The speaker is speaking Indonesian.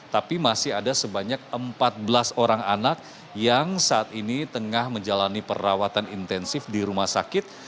tapi masih ada sebanyak empat belas orang anak yang saat ini tengah menjalani perawatan intensif di rumah sakit